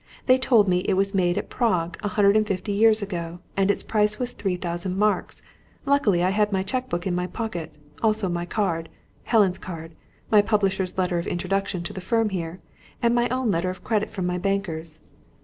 They told me it was made at Prague, a hundred and fifty years ago, and its price was three thousand marks. Luckily, I had my cheque book in my pocket, also my card, Helen's card, my publisher's letter of introduction to the firm here, and my own letter of credit from my bankers.